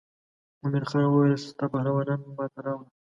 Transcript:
مومن خان وویل ستا پهلوانان نن ما ته راوله.